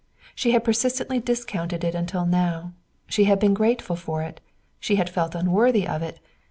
She had persistently discounted it until now. She had been grateful for it. She had felt unworthy of it.